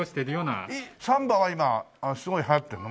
サンバが今すごい流行ってるの？